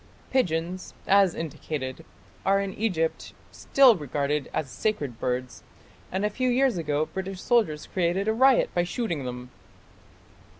Pigeons, as indicated, are in Egypt still regarded as sacred birds, and a few years ago British soldiers created a riot by shooting them.